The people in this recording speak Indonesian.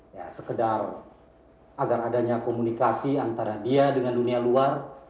ya sekedar agar adanya komunikasi antara dia dengan dunia luar